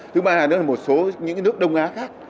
thứ ba là một số những nước đông á khác